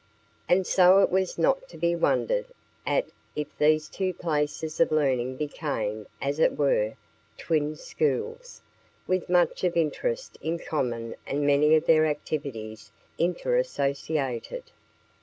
And so it is not to be wondered at if these two places of learning became, as it were, twin schools, with much of interest in common and many of their activities interassociated.